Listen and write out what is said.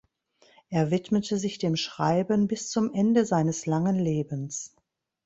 Er widmete sich dem Schreiben bis zum Ende seines langen Lebens.